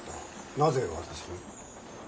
なぜ私に？